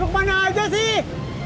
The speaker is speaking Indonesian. lu kemana aja sih